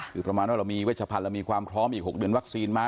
คือประมาณว่าเรามีเวชพันธ์เรามีความพร้อมอีก๖เดือนวัคซีนมา